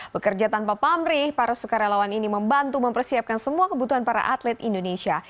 bekerja tanpa pamrih para sukarelawan ini membantu mempersiapkan semua kebutuhan para atlet indonesia